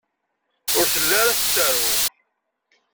Ur telli ara tettaru.